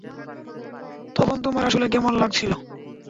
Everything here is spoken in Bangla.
তখন তোমার আসলে কেমন লাগছিল?